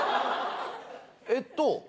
えっと